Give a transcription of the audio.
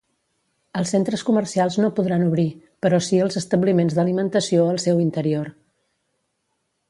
Els centres comercials no podran obrir, però sí els establiments d'alimentació al seu interior.